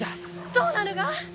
どうなるが！？